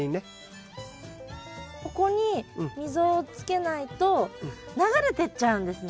ここに溝をつけないと流れてっちゃうんですね？